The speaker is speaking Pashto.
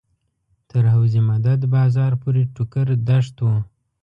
تر حوض مدد بازار پورې ټوکر دښت و.